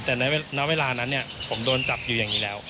แต่ในเวลานั้นผมโดนจับอยู่อย่างนี้แล้ว